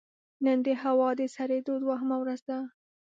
نن د هوا د سړېدو دوهمه ورځ ده